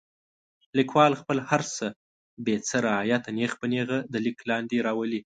لیکوال خپل هر څه بې څه رعایته نیغ په نیغه د لیک لاندې راولي.